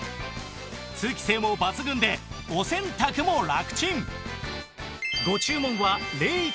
通気性も抜群でお洗濯もラクチン